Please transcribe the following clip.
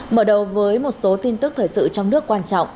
mở đầu với một số tin tức thời sự trong nước quan trọng